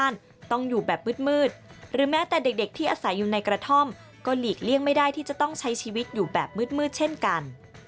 และถ้าสายอยู่ในกระท่อมก็หลีกเลี่ยงไม่ได้ที่จะต้องใช้ชีวิตอยู่แบบมืดเช่นกัน